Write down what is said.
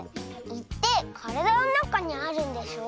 「い」ってからだのなかにあるんでしょ。